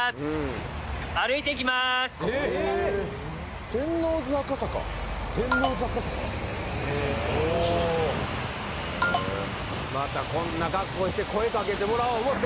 またこんな格好して声かけてもらおう思て。